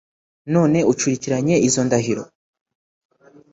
None ucurikiranye izo ndahiro?"